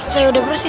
saya udah bersih